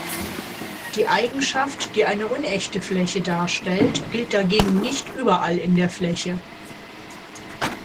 Die Eigenschaft, die eine unechte Fläche darstellt, gilt dagegen nicht überall in der Fläche.